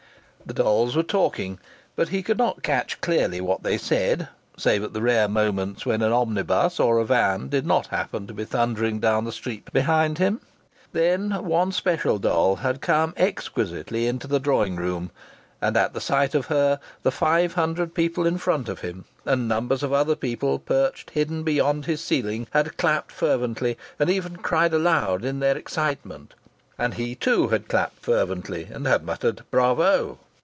The dolls were talking, but he could not catch clearly what they said, save at the rare moments when an omnibus or a van did not happen to be thundering down the street behind him. Then one special doll had come exquisitely into the drawing room, and at the sight of her the five hundred people in front of him, and numbers of other people perched hidden beyond his ceiling, had clapped fervently and even cried aloud in their excitement. And he, too, had clapped fervently, and had muttered "Bravo!"